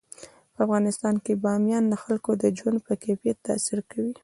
په افغانستان کې بامیان د خلکو د ژوند په کیفیت تاثیر کوي.